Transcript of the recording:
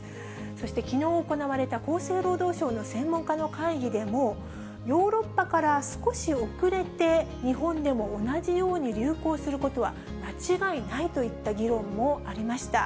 そしてきのう行われた厚生労働省の専門家の会議でも、ヨーロッパから少し遅れて、日本でも同じように流行することは間違いないといった議論もありました。